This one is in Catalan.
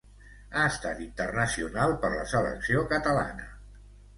Ha estat internacional per la selecció catalana.